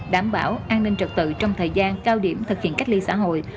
đảm bảo an ninh trật tự trong thời gian cao điểm thực hiện cách ly xã hội